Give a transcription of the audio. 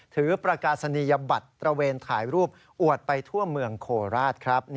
ถือประกาศนียบัตรตระเวนถ่ายรูปอวดท่ว่าเมืองครูลาศ